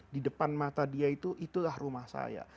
di depan mata dia itu itulah rumah saya